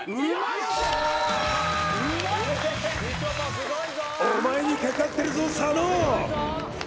すごいぞーお前にかかってるぞ佐野！